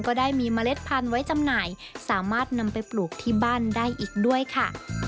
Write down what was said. ก็ได้มีเมล็ดพันธุ์ไว้จำหน่ายสามารถนำไปปลูกที่บ้านได้อีกด้วยค่ะ